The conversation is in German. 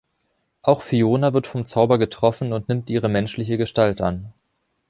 Auch Fiona wird vom Zauber getroffen und nimmt ihre menschliche Gestalt an.